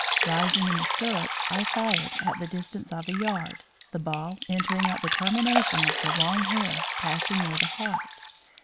Rising in the stirrups, I fired, at the distance of a yard, the ball entering at the termination of the long hair, passing near the heart.